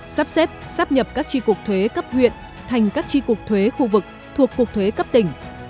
sắp xếp sắp nhập các tri cuộc thuế cấp huyện thành các tri cuộc thuế khu vực thuộc cuộc thuế cấp tỉnh